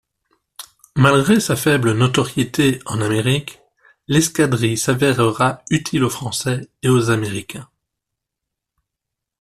Malgré sa faible notoriété en Amérique, l'escadrille s'avérera utile aux Français et aux Américains.